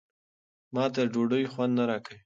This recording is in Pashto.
ما ته ډوډۍ خوند نه راکوي.